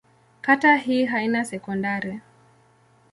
Kata hii haina sekondari.